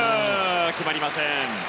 決まりません。